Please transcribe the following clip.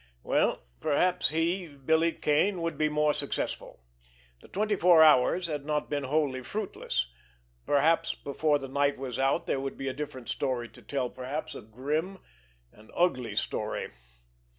Well, perhaps he, Billy Kane, would be more successful! The twenty four hours had not been wholly fruitless. Perhaps before the night was out there would be a different story to tell—perhaps a grim and ugly story.